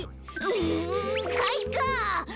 うんかいか！